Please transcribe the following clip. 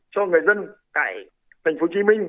cho người dân tại tp hcm